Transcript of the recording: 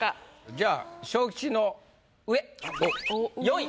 じゃあ昇吉の上４位。